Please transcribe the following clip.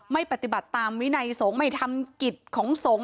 ไม่ปฏิบัติตามวินัยสงฆ์ไม่ทำกิจของสงฆ์